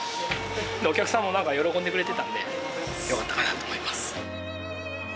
お客さんも喜んでくれていたんでよかったかなと思います。